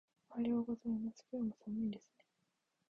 おはようございます。今日も寒いですね。